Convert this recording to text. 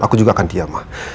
aku juga akan diam ma